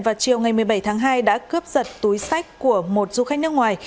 vào chiều ngày một mươi bảy tháng hai đã cướp giật túi sách của một du khách nước ngoài